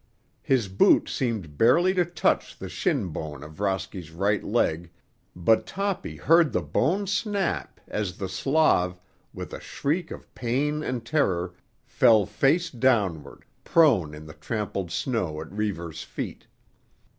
His boot seemed barely to touch the shin bone of Rosky's right leg, but Toppy heard the bone snap as the Slav, with a shriek of pain and terror, fell face downward, prone in the trampled snow at Reivers' feet.